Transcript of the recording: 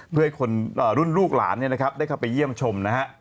เพื่อให้คนรุ่นลูกหลานได้เข้าไปเยี่ยมชมนะฮะ